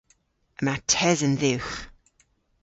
Yma tesen dhywgh.